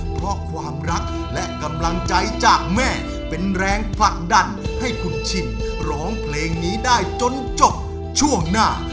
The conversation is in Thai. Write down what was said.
เพราะความรักและกำลังใจจากแม่เป็นแรงผลักดันให้คุณชินร้องเพลงนี้ได้จนจบช่วงหน้า